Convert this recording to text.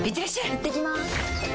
いってきます！